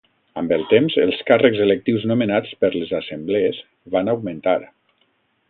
Amb el temps els càrrecs electius nomenats per les Assemblees van augmentar.